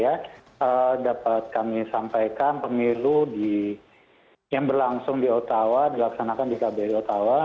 ya dapat kami sampaikan pemilu yang berlangsung di ottawa dilaksanakan di kbri ottawa